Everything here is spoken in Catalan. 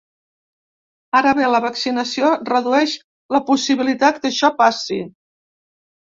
Ara bé, la vaccinació redueix la possibilitat que això passi.